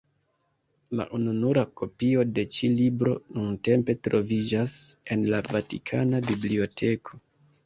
La ununura kopio de ĉi libro nuntempe troviĝas en la Vatikana Biblioteko.